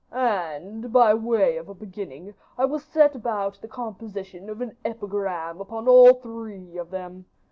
"And, by way of a beginning, I will set about the composition of an epigram upon all three of them.